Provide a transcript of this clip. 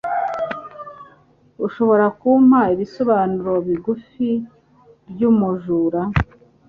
Urashobora kumpa ibisobanuro bigufi byumujura?